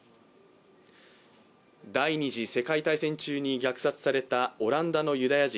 第二次世界大戦中に虐殺されたオランダのユダヤ人